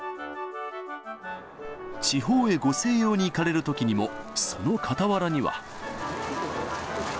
地方へご静養に行かれるときにも、その傍らには。